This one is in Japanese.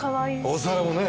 お皿もね。